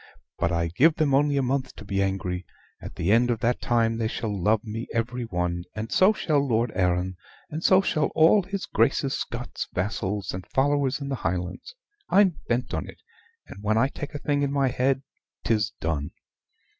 But I give them only a month to be angry; at the end of that time they shall love me every one, and so shall Lord Arran, and so shall all his Grace's Scots vassals and followers in the Highlands. I'm bent on it; and when I take a thing in my head, 'tis done.